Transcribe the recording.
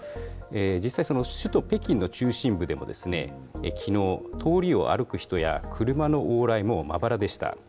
実際、首都北京の中心部でもきのう、通りを歩く人や車の往来もまばらでした。